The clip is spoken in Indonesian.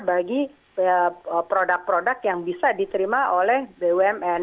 bagi produk produk yang bisa diterima oleh bumn